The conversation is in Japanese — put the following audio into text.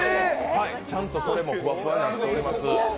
ちゃんとそれもふわふわになってます。